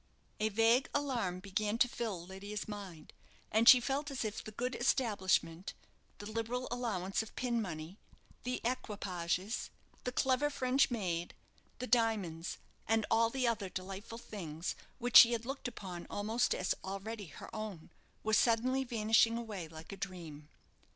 A vague alarm began to fill Lydia's mind, and she felt as if the good establishment, the liberal allowance of pin money, the equipages, the clever French maid, the diamonds, and all the other delightful things which she had looked upon almost as already her own, were suddenly vanishing away like a dream.